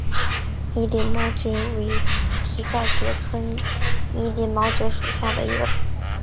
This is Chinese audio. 拟鳞毛蕨为蹄盖蕨科拟鳞毛蕨属下的一个种。